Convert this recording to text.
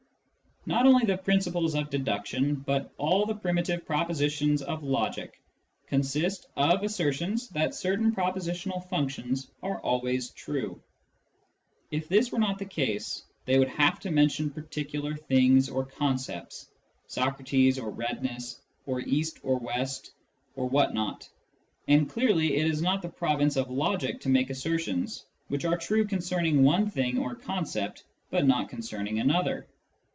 Not only the principles of deduction, but . all the primitive propositions of logic, consist of assertions that certain proposi tional functions are always true. If this were not the case, they would have to mention particular things or concepts — Socrates, or redness, or east and west, or what not, — and clearly it is not the province of logic to make assertions which are true concerning one such thing or concept but not concerning another.